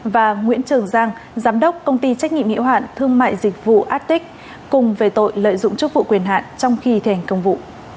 và nguyễn trường giang giám đốc công ty trách nhiệm hiệu hạn thương mại dịch vụ atic cùng về tội lợi dụng chức vụ quyền hạn trong khi thành công vụ